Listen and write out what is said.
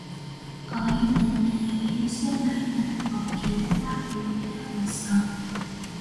آیین نیایش مریم باکره در قرون وسطی